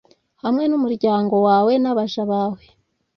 hamwe n'umuryango wawe n'abaja bawe